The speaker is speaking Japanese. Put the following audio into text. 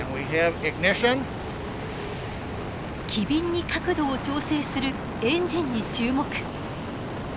機敏に角度を調整するエンジンに注目。